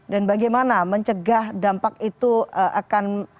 dan bagaimana mencegah dampak itu akan